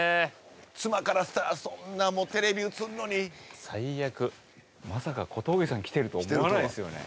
妻からしたらそんなもうテレビ映んのにまさか小峠さん来てると思わないすよね